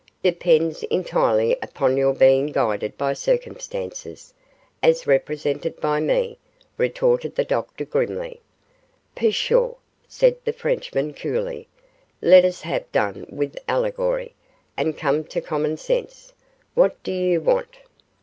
'Depends entirely upon your being guided by circumstances, as represented by me,' retorted the Doctor, grimly. 'Pshaw!' said the Frenchman, coolly, 'let us have done with allegory, and come to common sense. What do you want?